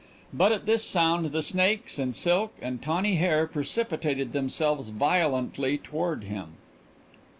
But at this sound the snakes and silk and tawny hair precipitated themselves violently toward him.